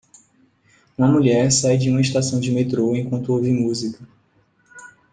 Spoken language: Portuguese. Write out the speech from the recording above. Uma mulher sai de uma estação de metrô enquanto ouve música.